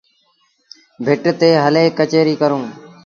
ڀٽ تي هلي ڪچهريٚ ڪرون۔